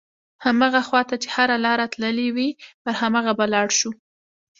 هماغه خواته چې هره لاره تللې وي پر هماغه به لاړ شو.